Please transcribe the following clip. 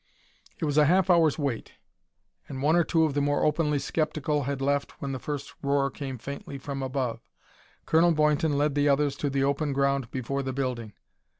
It was a half hour's wait, and one or two of the more openly skeptical had left when the first roar came faintly from above. Colonel Boynton led the others to the open ground before the building.